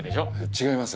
違います。